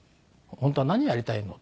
「本当は何やりたいの？」